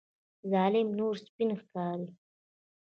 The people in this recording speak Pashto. ظالم نور سپین ښکاري.